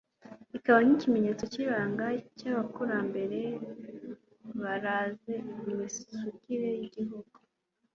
ikaba nk'ikimenyetso cy'ibanga ry'abakurambere baraze Imisugire y'igihugu.